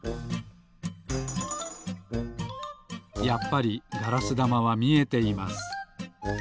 やっぱりガラスだまはみえています。